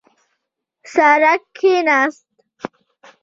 سړی کښیناست.